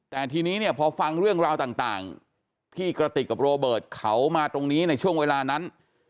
แต่ทีนี้เนี่ยพอฟังเรื่องราวต่างที่กระติกกับโรเบิร์ตเขามาตรงนี้ในช่วงเวลานั้น